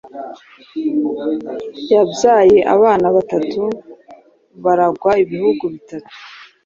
Yabyaye abana batatu, baragwa ibihugu bitatu :